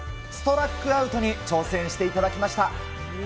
ストラックアウトに挑戦していただきました。